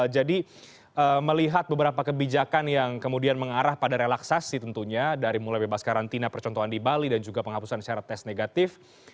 jadi melihat beberapa kebijakan yang kemudian mengarah pada relaksasi tentunya dari mulai bebas karantina percontohan di bali dan juga penghapusan syarat tes negatif